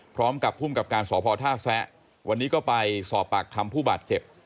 พร้อมกับภูมิกับการสพท่าแซะวันนี้ก็ไปสอบปากคำผู้บาดเจ็บ